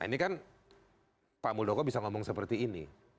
ini kan pak muldoko bisa ngomong seperti ini